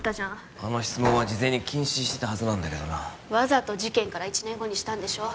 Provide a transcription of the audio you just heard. あの質問は事前に禁止してたはずなんだけどなわざと事件から１年後にしたんでしょ